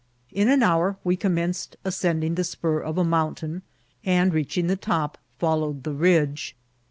In an hour we commenced ascending the spur of a mountain ; and, reaching the top, followed the ridge.